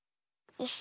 よし。